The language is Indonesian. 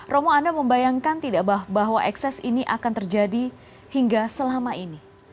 romo anda membayangkan tidak bahwa ekses ini akan terjadi hingga selama ini